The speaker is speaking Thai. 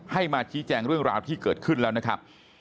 มาชี้แจงเรื่องราวที่เกิดขึ้นแล้วนะครับ